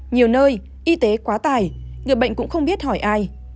nhiều nơi y tế quá tài người bệnh cũng không biết hỏi ai